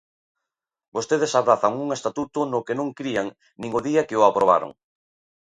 Vostedes abrazan un estatuto no que non crían nin o día que o aprobaron.